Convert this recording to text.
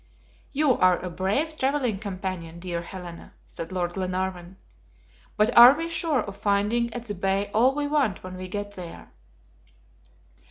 "You are a brave traveling companion, dear Helena," said Lord Glenarvan. "But are we sure of finding at the bay all we want when we get there?"